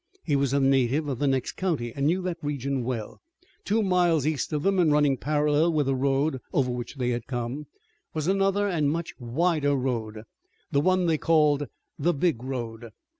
He was a native of the next county and knew that region well. Two miles east of them and running parallel with the road over which they had come was another and much wider road, the one that they called the big road.